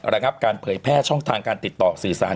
ระงับการเผยแพร่ช่องทางการติดต่อสื่อสาร